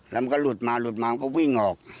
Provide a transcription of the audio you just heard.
แล้วมันก็หลุดมาหลุดมามันก็วิ่งออก